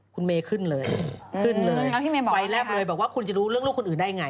คุณเมย์ขึ้นเลยขึ้นเลยไฟแลบเลยบอกว่าคุณจะรู้เรื่องลูกคนอื่นได้ยังไง